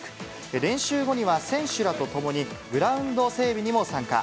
練習後には選手らと共にグラウンド整備にも参加。